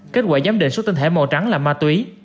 kết quả giám định số tinh thể màu trắng là ma túy